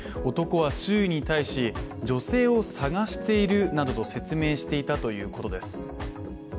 男は周囲に対し女性を捜しているなどと説明していたということです。